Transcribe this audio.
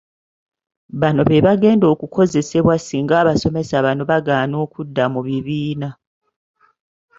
Bano bebagenda okukozesebwa singa abasomesa bano bagaana okudda mu bibiina.